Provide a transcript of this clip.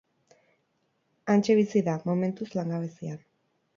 Hantxe bizi da, momentuz langabezian.